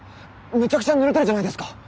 めちゃくちゃぬれてるじゃないですか。